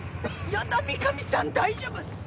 嫌だ三神さん大丈夫？